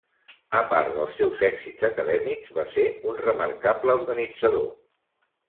A part dels seus èxits acadèmics, va ser un remarcable organitzador.